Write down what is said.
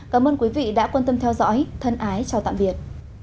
cảm ơn quý vị đã quan tâm theo dõi thân ái chào tạm biệt